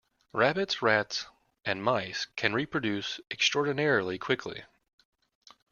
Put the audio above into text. Rabbits, rats and mice can reproduce extraordinarily quickly.